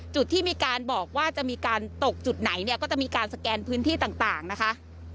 จุดที่มีการบอกว่าจะมีการตกจุดไหนเนี่ยก็จะมีการสแกนพื้นที่ต่างนะคะ